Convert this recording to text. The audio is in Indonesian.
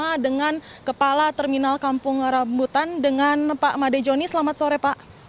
bersama dengan kepala terminal kampung rambutan dengan pak madejoni selamat sore pak